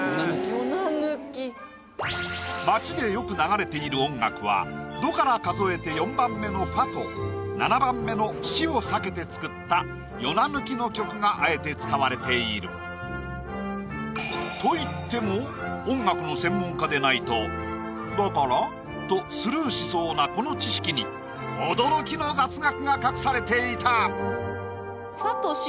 ヨナ抜き街でよく流れている音楽はドから数えて４番目のファと７番目のシを避けて作ったヨナ抜きの曲があえて使われているといっても音楽の専門家でないと「だから？」とスルーしそうなこの知識に驚きの雑学が隠されていた！